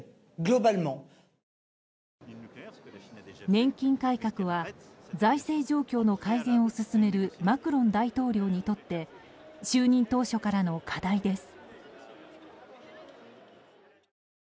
年金改革は財政状況の改善を進めるマクロン大統領にとって就任当初からの課題です。